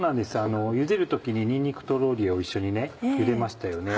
ゆでる時ににんにくとローリエを一緒にゆでましたよね。